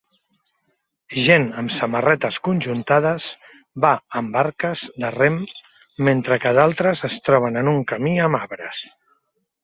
Gent amb samarretes conjuntades va amb barques de rem mentre que d'altres es troben en un camí amb arbres.